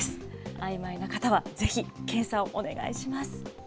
あいまいな方はぜひ検査をお願いします。